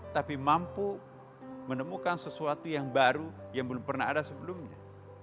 tapi mampu menemukan sesuatu yang baru yang belum pernah ada sebelumnya